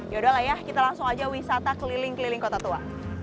yaudahlah ya kita langsung aja wisata keliling keliling kota tua